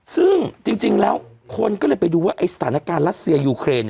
ซึ่งจริงแล้วคนก็เลยไปดูว่าสถานการณ์รัสเซียยูเครน